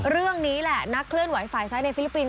เรื่องนี้แหละนักเคลื่อนไหวฝ่ายซ้ายในฟิลิปปินส